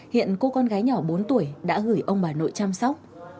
hiện cô con gái nhỏ bốn tuổi đã gửi ông bà nội chăm sóc